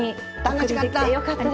楽しかった！